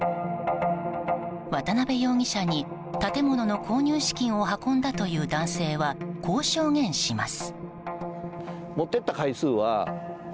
渡邉容疑者に建物の購入資金を運んだという男性はこう証言します。